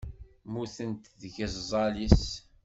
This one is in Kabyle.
Mmutent tgeẓẓal-is.